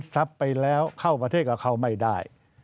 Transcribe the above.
ทรัพย์ไปแล้วเข้าประเทศกับเขาไม่ได้